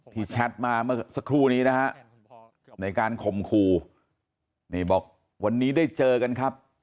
แชทมาเมื่อสักครู่นี้นะฮะในการข่มขู่นี่บอกวันนี้ได้เจอกันครับ